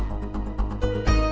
aku sudah berhenti